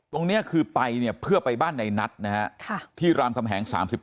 ตรงนี้คือไปเนี่ยเพื่อไปบ้านในนัทนะฮะที่รามคำแหง๓๙